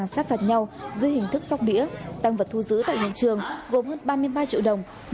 sát phạt nhau dưới hình thức sóc đĩa tăng vật thu giữ tại hiện trường gồm hơn ba mươi ba triệu đồng